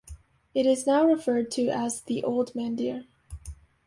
It is now referred to as the "old mandir".